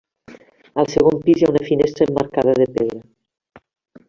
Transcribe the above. Al segon pis hi ha una finestra emmarcada de pedra.